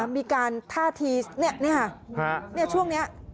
มีการท่าทีนี่ค่ะช่วงนี้